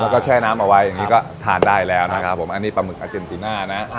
แล้วก็แช่น้ำเอาไว้อย่างนี้ก็ทานได้แล้วนะครับผมอันนี้ปลาหมึกอาเจนติน่านะ